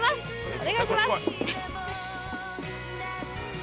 お願いします。